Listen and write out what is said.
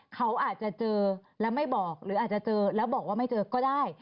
เขาอาจจะเจอแล้วไม่บอกหรืออาจจะเจอแล้วบอกว่าไม่เจอก็ได้